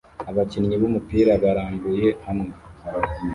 Abakinnyi b'umupira barambuye hamwe